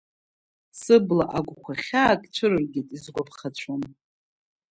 Сыбла агәқәа хьаак цәырыргеит исгәаԥхацәом.